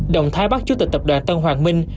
động thái bắt chú tịch tập đoàn tân hoàng minh